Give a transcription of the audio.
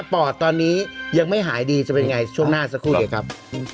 ปอดตอนนี้ยังไม่หายดีจะเป็นไงช่วงหน้าสักครู่เดี๋ยวครับ